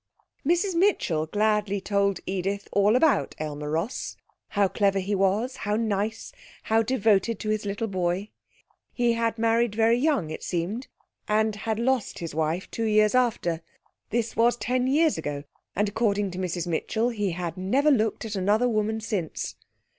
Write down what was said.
Mrs Mitchell gladly told Edith all about Aylmer Ross, how clever he was, how nice, how devoted to his little boy. He had married very young, it seemed, and had lost his wife two years after. This was ten years ago, and according to Mrs Mitchell he had never looked at another woman since.